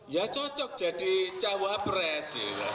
ya cocok jadi cawapres